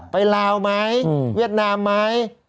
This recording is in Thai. ลาวไหมเวียดนามไหม